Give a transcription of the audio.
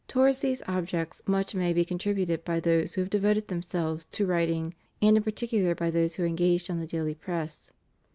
Towards these objects much may be contributed by those who have devoted themselves to writing, and in particular by those who are engaged on the daily press.